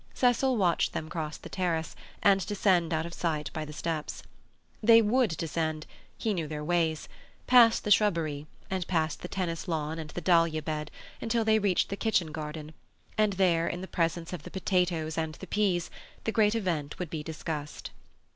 Cecil watched them cross the terrace, and descend out of sight by the steps. They would descend—he knew their ways—past the shrubbery, and past the tennis lawn and the dahlia bed, until they reached the kitchen garden, and there, in the presence of the potatoes and the peas, the great event would be discussed.